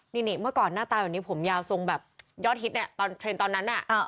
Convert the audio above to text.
นี่เมื่อก่อนหน้าตาแบบนี้ผมยาวทรงแบบยอดฮิตเนี่ยตอนเทรนด์ตอนนั้นน่ะ